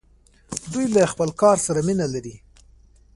دوی له خپل کار سره مینه لري.